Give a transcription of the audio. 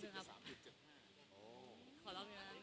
ขอบคุณครับ